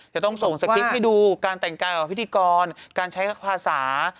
จะต้องส่งสคริปต์ให้ดูการแต่งกายกับพิธีกรการใช้ภาษา